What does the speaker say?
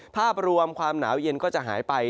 ภาพรวมความหนาวเย็นก็จะหายไป